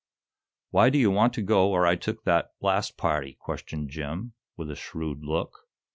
"Why do you want to go where I took that last party?" questioned Jim, with a shrewd look.